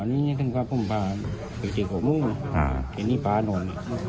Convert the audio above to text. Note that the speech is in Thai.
อันนี้ผ่านนู้น